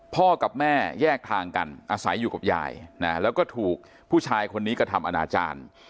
พ่อกับแม่แยกทางกันอาศัยอยู่กับยายนะแล้วก็ถูกผู้ชายคนนี้กระทำอนาจารย์